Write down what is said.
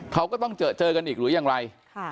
เขาก็ต้องเจอกันอีกหรือยังไร